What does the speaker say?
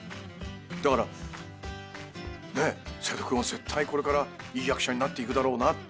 だから、瀬戸君は絶対これから、いい役者になっていくだろうなって